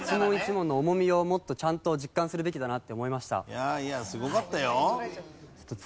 いやいやすごかったよ。